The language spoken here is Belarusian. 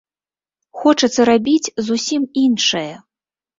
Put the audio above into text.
Хочацца рабіць зусім іншае.